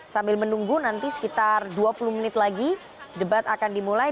sambil menunggu nanti sekitar dua puluh menit lagi debat akan dimulai